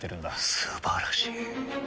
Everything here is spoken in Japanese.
素晴らしい。